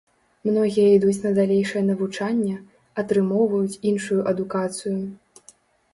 Многія ідуць на далейшае навучанне, атрымоўваюць іншую адукацыю.